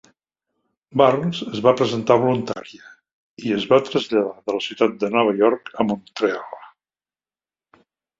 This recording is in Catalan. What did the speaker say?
Burns es va presentar voluntària i es va traslladar de la ciutat de Nova York a Montreal.